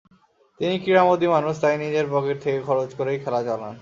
তিনি ক্রীড়ামোদী মানুষ, তাই নিজের পকেট থেকে খরচ করেই খেলা চালান।